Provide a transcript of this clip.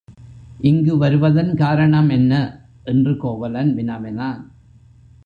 இங்கு வருவதன் காரணம் என்ன? என்று கோவலன் வினவினான்.